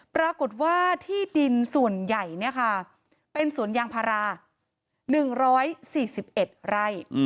ปรากฏว่าที่ดินส่วนใหญ่เป็นสวนยางพารา๑๔๑ไร่